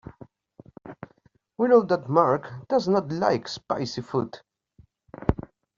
We know that Mark does not like spicy food.